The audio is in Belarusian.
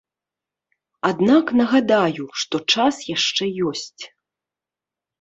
Аднак нагадаю, што час яшчэ ёсць.